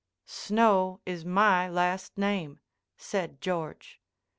"Snow is my last name," said George.